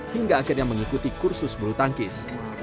hingga akhirnya mengikuti kursus bulu tangkis